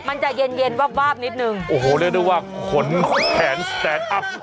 มันจะเย็นเย็นวาบวาบนิดนึงโอ้โหเรียกได้ว่าขนแขนสแตนอัพ